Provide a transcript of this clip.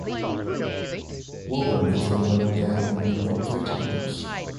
Woburn has been burned down and rebuilt three times.